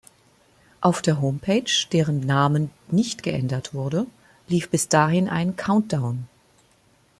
Auf der Homepage, deren Namen nicht geändert wurde, lief bis dahin ein Countdown.